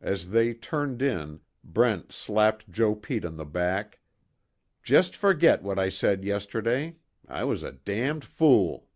As they turned in, Brent slapped Joe Pete on the back: "Just forget what I said yesterday I was a damned fool."